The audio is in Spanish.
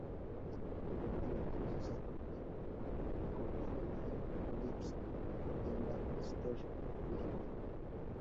Fue llamado entonces a Doble-A con los Reading Phillies de la Eastern League.